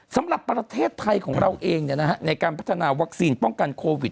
สำหรับประเทศไทยของเราเองในการพัฒนาวัคซีนป้องกันโควิด